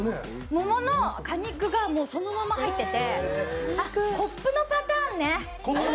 桃の果肉がそのまま入っててコップのパターンね、みんな。